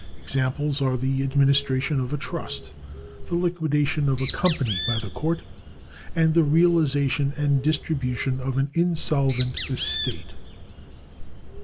Examples are the administration of a trust, the liquidation of a company by the court, and the realisation and distribu tion of an insolvent estate.